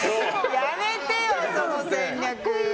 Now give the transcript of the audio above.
やめてよ、その戦略。